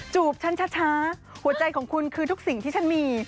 ฉันช้าหัวใจของคุณคือทุกสิ่งที่ฉันมี